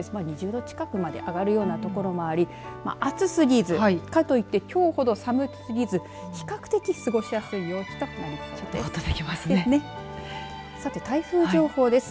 ２０度近くまで上がるような所もあり暑すぎず、かといってきょうほど寒すぎず比較的過ごしやすい陽気となりそうです。